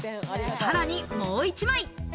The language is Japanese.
さらに、もう一枚。